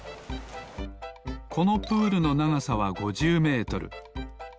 このプールのながさは５０メートル。